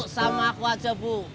sama aku aja bu